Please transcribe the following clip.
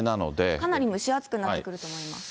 かなり蒸し暑くなってくると思います。